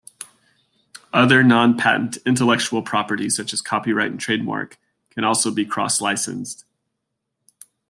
Other non-patent intellectual property such as copyright and trademark can also be cross-licensed.